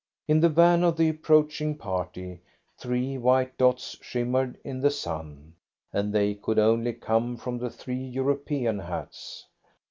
In the van of the approaching party, three white dots shimmered in the sun, and they could only come from the three European hats.